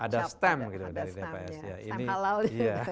ada stamp halal